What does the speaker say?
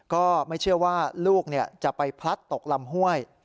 ก็ไม่เชื่อว่าลูกจะไปพลัดตกลำห้วย